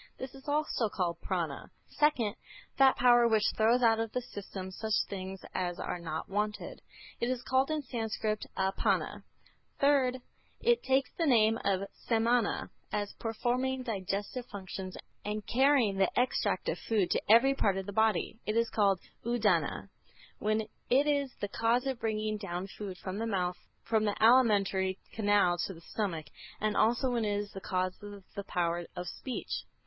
This is also called Prâna. Second, that power which throws out of the system such things as are not wanted. It is called in Sanskrit Apâna. Third, it takes the name of Samâna, as performing digestive functions and carrying the extract of food to every part of the body. It is called Udâna when it is the cause of bringing down food from the mouth through the alimentary canal to the stomach, and also when it is the cause of the power of speech.